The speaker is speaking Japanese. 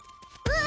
うわ！